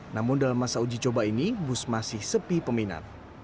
namun dalam masa uji coba ini bus masih sepi peminat